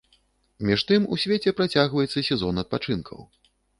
Між тым у свеце працягваецца сезон адпачынкаў.